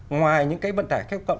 ngoài những cái vận tải khép cộng